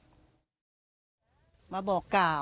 นางไพมณีค่ะมาช่วงบ่าย๒โมงที่ผ่านมา